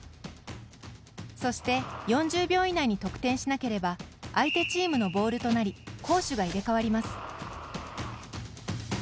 そして４０秒以内に得点しなければ相手チームのボールとなり攻守が入れ替わります。